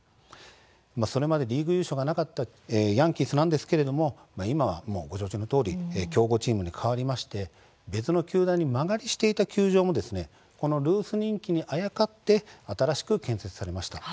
それまでリーグ優勝がなかったヤンキースなんですけれども今はご承知のとおり強豪チームへと変わり別の球団に間借りしていた球場もこのルース人気にあやかって新しく建設されました。